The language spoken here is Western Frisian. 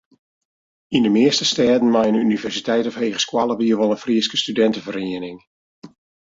Yn de measte stêden mei in universiteit of hegeskoalle wie wol in Fryske studinteferiening.